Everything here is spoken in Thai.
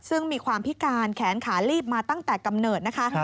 ซึ่งมีความพิการแขนขาลีบมาตั้งแต่กำเนิดนะคะ